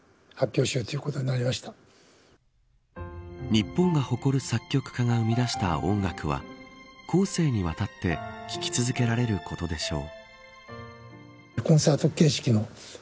日本が誇る作曲家が生み出した音楽は後世にわたって聞き続けられることでしょう。